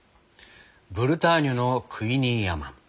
ブルターニュのクイニーアマン。